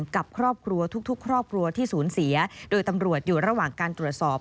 กับครอบครัวทุกครอบครัวที่สูญเสียโดยตำรวจอยู่ระหว่างการตรวจสอบ